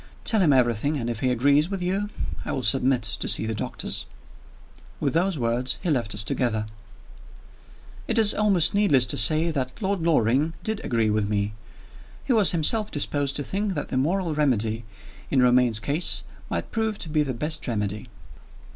Tell him everything, and if he agrees with you, I will submit to see the doctors." With those words he left us together. It is almost needless to say that Lord Loring did agree with me. He was himself disposed to think that the moral remedy, in Romayne's case, might prove to be the best remedy.